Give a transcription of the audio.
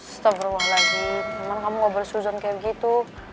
setau beruah lagi kayman kamu gak boleh seujuan kayak gitu